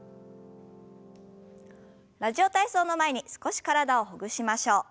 「ラジオ体操」の前に少し体をほぐしましょう。